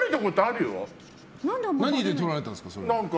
何で撮られたんですか？